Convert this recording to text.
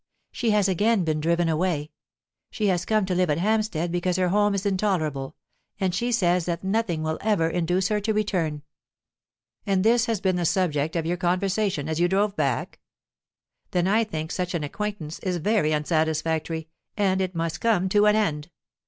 She has again been driven away. She has come to live at Hampstead because her home is intolerable, and she says that nothing will ever induce her to return." "And this has been the subject of your conversation as you drove back? Then I think such an acquaintance is very unsatisfactory, and it must come to an end."